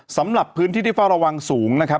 สำหรับพื้นที่ที่เฝ้าระวังสูงนะครับ